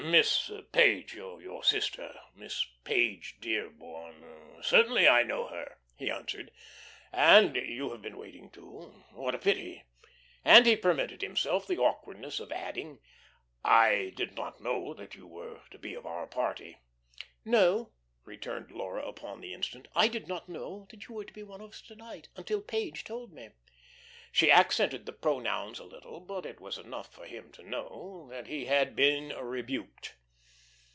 "Miss Page, your sister, Miss Page Dearborn? Certainly I know her," he answered. "And you have been waiting, too? What a pity!" And he permitted himself the awkwardness of adding: "I did not know that you were to be of our party." "No," returned Laura upon the instant, "I did not know you were to be one of us to night until Page told me." She accented the pronouns a little, but it was enough for him to know that he had been rebuked.